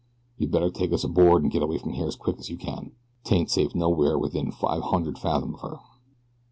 You'd better take us aboard, an' get away from here as quick as you can. 'Tain't safe nowhere within five hun'erd fathom of her."